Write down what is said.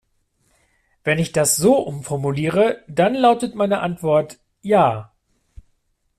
Wenn ich das so umformuliere, dann lautet meine Antwort "Ja".